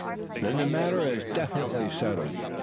"Then the matter is definitely settled.